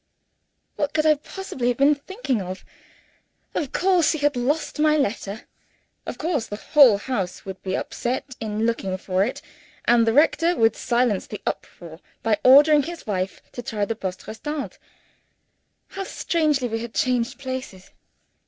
What could I possibly have been thinking of! Of course, she had lost my letter. Of course, the whole house would be upset in looking for it, and the rector would silence the uproar by ordering his wife to try the Poste Restante. How strangely we had changed places!